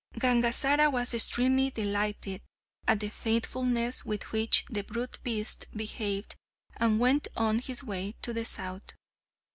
Gangazara was extremely delighted at the faithfulness with which the brute beasts behaved, and went on his way to the south.